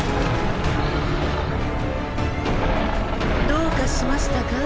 どうかしましたか